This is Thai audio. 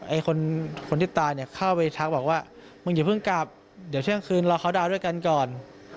ไอ้คนที่ตายเนี่ยเข้าไปทักบอกว่ามึงอย่าเพิ่งกลับเดี๋ยวเที่ยงคืนรอเขาดาวน์ด้วยกันก่อน